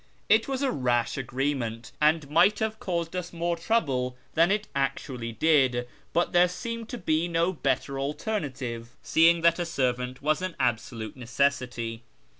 It was a rash agree ment, and might have caused us more trouble than it actually did, but there seemed to be no better alternative, seeing that a servant was an absolute necessity.